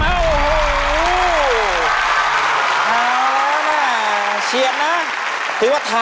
โหใช่ไหมครับ